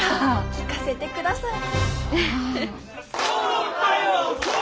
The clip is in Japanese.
聞かせてください。